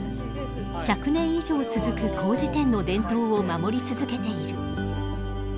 １００年以上続く麹店の伝統を守り続けている。